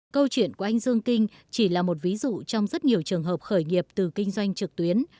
câu chuyện của anh dương kinh chỉ là một ví dụ trong rất nhiều trường hợp khác